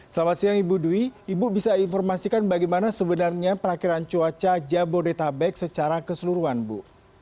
selamat siang ibu dwi ibu bisa informasikan bagaimana sebenarnya perakhiran cuaca jabodetabek secara keseluruhan bu